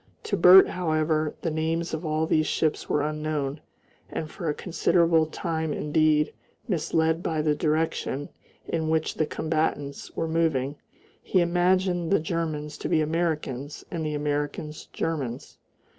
To Bert, however, the names of all these ships were unknown, and for a considerable time indeed, misled by the direction in which the combatants were moving, he imagined the Germans to be Americans and the Americans Germans.